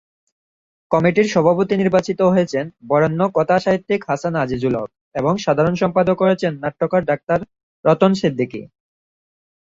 কমিটির সভাপতি নির্বাচিত হয়েছেন বরেণ্য কথা সাহিত্যিক হাসান আজিজুল হক এবং সাধারণ সম্পাদক হয়েছেন নাট্যকার ডাক্তার রতন সিদ্দিকী।